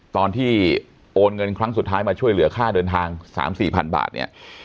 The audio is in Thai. ตอนที่โอนเงินครั้งสุดท้ายมาช่วยเหลือค่าเดินทาง๓๔พันบาทเนี่ย